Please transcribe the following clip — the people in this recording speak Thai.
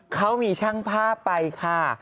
เขามีช่างภาพไปค่ะ